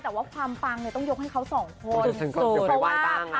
แต่ว่าความปังต้องยกให้เขาสองคน